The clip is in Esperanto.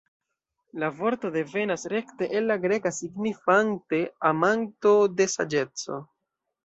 La vorto devenas rekte el la greka signifante "Amanto de saĝeco".